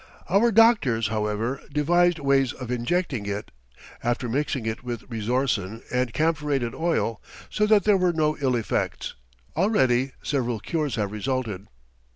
Our doctors, however, devised ways of injecting it, after mixing it with resorcin and camphorated oil, so that there were no ill effects. Already several cures have resulted.